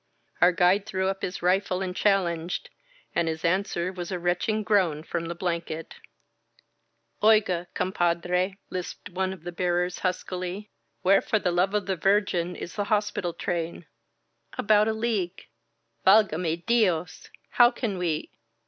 Our guide threw up his rifle and challenged, and his answer was a retching groan from the blanket. 210 THE BLOODY DAWN Oiga compadre,^^ lisped one of the bearers huskily, "Where, for the love of the Virgin, is the hospital train?" "About a league " Valgame Diosl How can we.